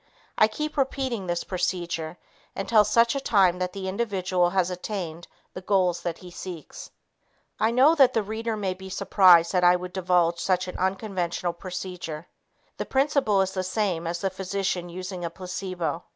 I keep repeating this procedure until such time that the individual has attained the goals that he seeks. I know that the reader may be surprised that I would divulge such an unconventional procedure. The principle is the same as the physician using a placebo.